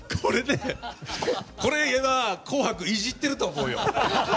これ、「紅白」いじってると思うよ。